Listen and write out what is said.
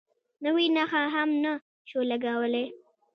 نوې نښه هم نه شو لګولی.